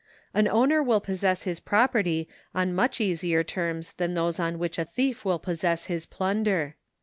An owner will possess his property on much easier terms than those on which a thief will possess his plunder.